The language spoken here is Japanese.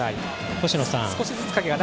星野さん